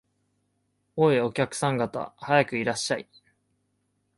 おい、お客さん方、早くいらっしゃい